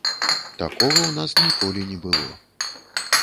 Такога ў нас ніколі не было.